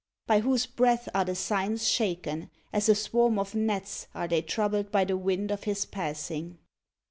By Whose breath are the Signs shaken; as a swarm of gnats are they troubled by the wind of His passing; 24.